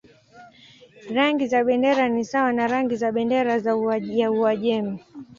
Rangi za bendera ni sawa na rangi za bendera ya Uajemi.